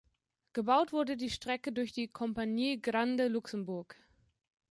Gebaut wurde die Strecke durch die "Compagnie Grande Luxembourg".